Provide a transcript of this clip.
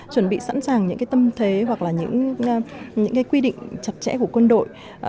chuẩn bị sẵn sàng những tâm thế hoặc là những cái quy định chặt chẽ của quân đội